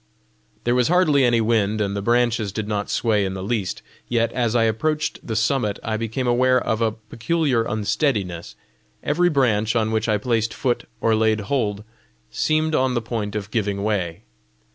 There was hardly any wind, and the branches did not sway in the least, yet, as I approached the summit, I became aware of a peculiar unsteadiness: every branch on which I placed foot or laid hold, seemed on the point of giving way.